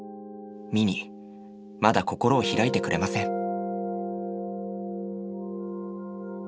ミニまだ心をひらいてくれません。